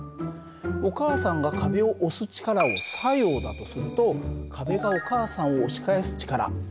お母さんが壁を押す力を作用だとすると壁がお母さんを押し返す力これが反作用なんだ。